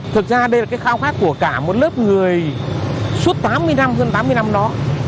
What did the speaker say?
thực ra đây là cái khao khát của cả một lớp người suốt tám mươi năm hơn tám mươi năm đó